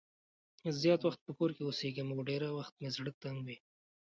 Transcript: زیات وخت په کور کې اوسېږم او ډېری وخت زړه تنګ وي.